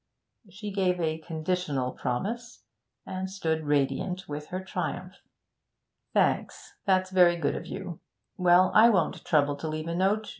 She gave a conditional promise, and stood radiant with her triumph. 'Thanks, that's very good of you. Well, I won't trouble to leave a note.